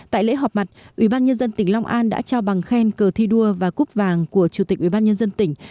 tại lễ họp mặt ubnd tỉnh long an đã trao bằng khen cờ thi đua và cúp vàng của chủ tịch ubnd tỉnh